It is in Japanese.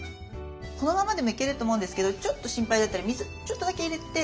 このままでもいけると思うんですけどちょっと心配だったら水ちょっとだけ入れて。